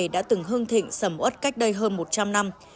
đã từng hương thịnh sầm ớt cách đây hơn một trăm linh năm